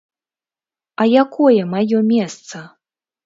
А якое маё месца?